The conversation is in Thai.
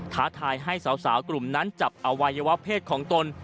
ท้าทายให้สาวกลุ่มนั้นจับอวัยวะเพศของตน